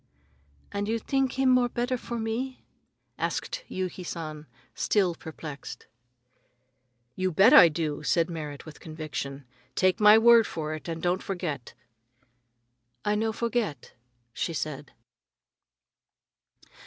"And you think him more better for me?" asked Yuki San, still perplexed. "You bet I do!" said Merrit with conviction. "Take my word for it and don't forget." "I no forget," she said.